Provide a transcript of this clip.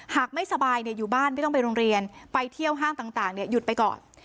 หากไม่สบายอยู่บ้านไม่ต้องไปโรงเรียนไปเที่ยวห้างต่างหยุดไปก่อน